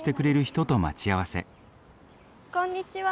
こんにちは。